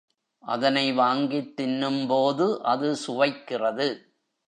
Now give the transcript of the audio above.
அதனை வாங்கித் தின்னும்போது அது சுவைக்கிறது.